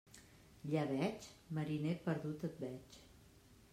Llebeig?, mariner, perdut et veig.